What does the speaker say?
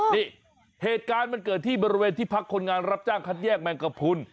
นี่เหตุการณ์มันเกิดที่บริเวณที่พักคนงานรับจ้างคัดแยกแมงกระพุน